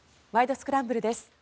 スクランブル」です。